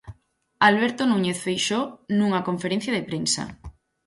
Alberto Núñez Feixóo nunha conferencia de prensa.